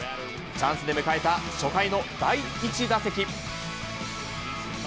チャンスで迎えた初回の第１打席。